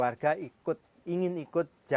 ada yang dukungan parka